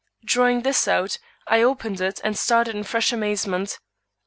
Drawing this out, I opened it and started in fresh amazement.